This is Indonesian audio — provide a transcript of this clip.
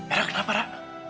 era kenapa ra